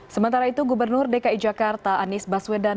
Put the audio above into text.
sementara itu gubernur dki jakarta anies baswedan